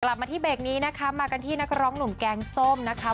กลับมาที่เบรกนี้นะคะมากันที่นักร้องหนุ่มแกงส้มนะคะ